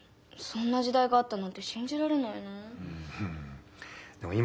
そんな時代があったなんてしんじられないな。